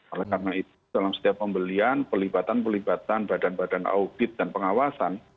oleh karena itu dalam setiap pembelian pelibatan pelibatan badan badan audit dan pengawasan